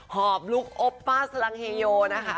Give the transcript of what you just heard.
หอบลุคโอป้าสลังเฮโยนะคะ